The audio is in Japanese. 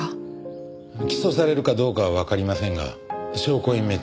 起訴されるかどうかはわかりませんが証拠隠滅